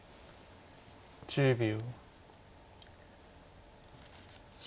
１０秒。